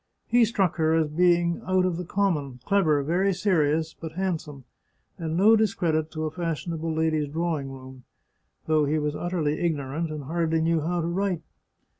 He struck her as being out of the common, clever, very serious, but handsome, and no discredit to a fashionable lady's drawing room — though he was utterly ignorant, and hardly knew how to write.